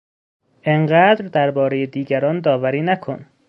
اینقدر دربارهی دیگران داوری نکن!